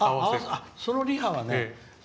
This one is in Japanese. そのリハはね